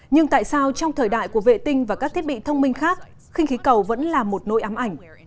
nhưng tại sao trong thời đại của vệ tinh và các thiết bị thông minh khác khinh khí cầu vẫn là một nội ám ảnh